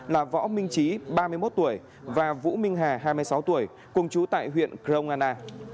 là võ minh trí ba mươi một tuổi và vũ minh hà hai mươi sáu tuổi cùng chú tại huyện grong anna